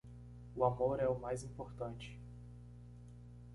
O amor é o mais importante